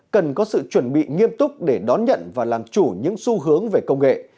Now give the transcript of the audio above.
cần có sự chuẩn bị nghiêm túc để đón nhận và làm chủ những xu hướng về công nghệ